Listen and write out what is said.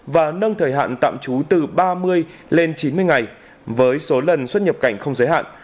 và nâng thời hạn tạm trú từ ba mươi lên chín mươi ngày với số lần xuất nhập cảnh không giới hạn